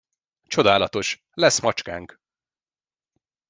Csodálatos, lesz macskánk.